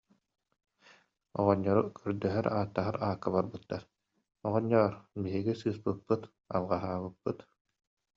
Оҕонньору көрдөһөр, ааттаһар аакка барбыттар: «Оҕонньоор, биһиги сыыспыппыт, алҕаһаабыппыт